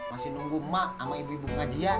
masih nunggu emak sama ibu ibu pengajian